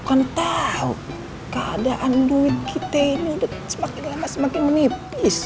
kan tahu keadaan duit kita ini udah semakin lama semakin menipis